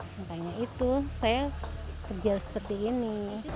makanya itu saya kerja seperti ini